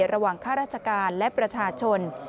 ระหว่างค่าราชการและประชาชน